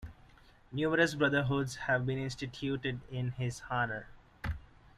Numerous brotherhoods have been instituted in his honor.